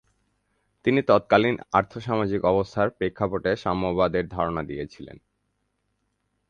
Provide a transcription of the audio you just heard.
তিনি তৎকালীন আর্থ-সামাজিক অবস্থার প্রেক্ষাপটে সাম্যবাদ-এর ধারণা দিয়েছিলেন।